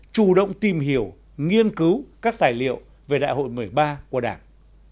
chủ động tìm hiểu nghiên cứu các tài liệu về đại hội một mươi ba của đảng